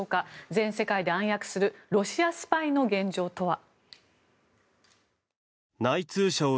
全世界で暗躍するロシアスパイの現状とは。